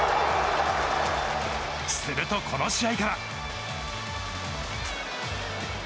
するとこの試合から。